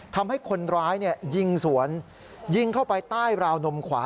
ทำให้คนร้ายยิงสวนยิงเข้าไปใต้ราวนมขวา